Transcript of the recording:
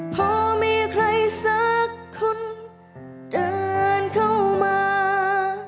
พอมีใครสักคนเดินเข้ามา